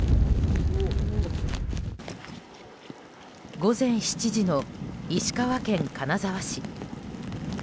午前７時の石川県金沢市。